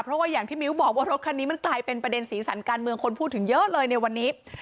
เพราะว่าอย่างที่มิ้วบอกว่ารถคันนี้มันกลายเป็นประเด็นสีสันการเมืองคนพูดถึงเยอะเลยในวันนี้